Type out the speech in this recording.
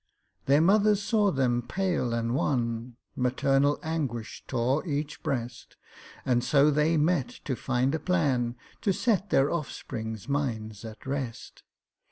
Their mothers saw them pale and wan, Maternal anguish tore each breast, And so they met to find a plan To set their offsprings' minds at rest.